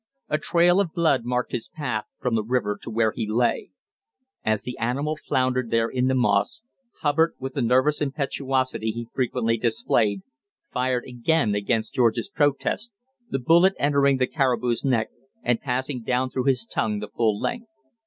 A trail of blood marked his path from the river to where he lay. As the animal floundered there in the moss, Hubbard, with the nervous impetuosity he frequently displayed, fired again against George's protest, the bullet entering the caribou's neck and passing down through his tongue the full length.